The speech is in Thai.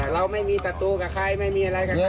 เราไม่มีศัตรูกับใครไม่มีอะไรกับใคร